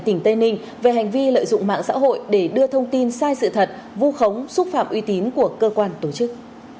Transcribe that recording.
tỉnh tây ninh về hành vi lợi dụng mạng xã hội để đưa thông tin sai sự thật vu khống xúc phạm uy tín của cơ quan tổ chức